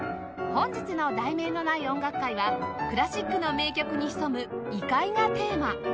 本日の『題名のない音楽会』はクラシックの名曲に潜む「異界」がテーマ